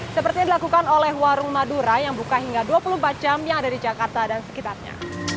seperti yang dilakukan oleh warung madura yang buka hingga dua puluh empat jam yang ada di jakarta dan sekitarnya